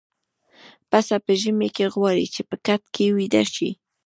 پسه په ژمي کې غواړي چې په کټ کې ويده شي.